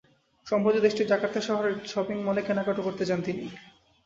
সম্প্রতি দেশটির জাকার্তা শহরের একটি শপিং মলে কেনাকাটা করতে যান তিনি।